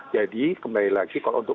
jadi kembali lagi kalau untuk